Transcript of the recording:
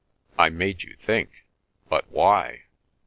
"I made you think! But why?"